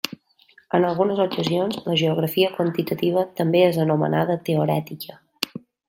En algunes ocasions la geografia quantitativa també és anomenada teorètica.